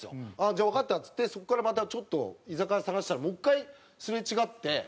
「じゃあわかった」っつってそこからまたちょっと居酒屋探してたらもう１回すれ違って。